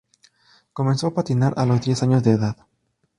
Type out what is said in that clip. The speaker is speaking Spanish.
Comenzó a patinar a los diez años de edad.